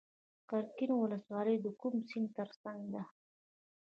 قرقین ولسوالۍ د کوم سیند تر څنګ ده؟